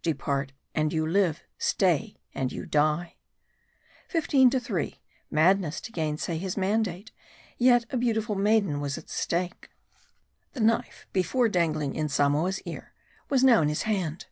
" Depart and you live ; stay and your die." Fifteen to three. Madness to gainsay his mandate. Yet a beautiful maiden was at stake. The knife before dangling in Samoa's ear was now in his hand.